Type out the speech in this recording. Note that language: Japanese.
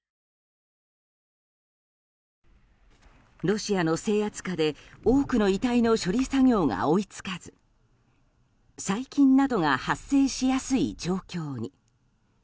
ロシアの制圧下で多くの遺体の処理作業が追い付かず細菌などが発生しやすい状況に。